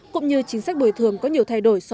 cũng như chính sách bồi thường có nhiều thay đổi